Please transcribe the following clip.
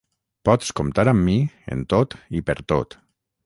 Pots comptar amb mi en tot i per tot.